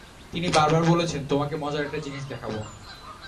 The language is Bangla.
তিনি বারবার বলেছেন, তোমাকে মজার একটা জিনিস দেখাব।